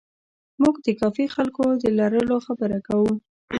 موږ د کافي خلکو د لرلو خبره کوو.